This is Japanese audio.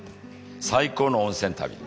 最高の温泉旅。